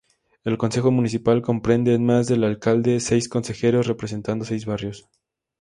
El consejo municipal comprende, en más del alcalde, seis consejeros representando seis barrios.